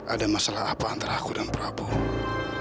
ada masalah apa antara aku dan prabowo